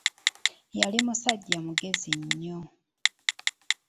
Yali musajja mugezi nnyo.